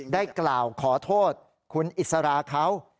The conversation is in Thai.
ได้กล่าวขอโทษคุณอิสราเขา